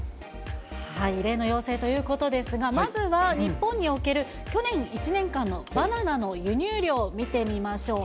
異例の要請ということですが、まずは、日本における去年１年間のバナナの輸入量を見てみましょう。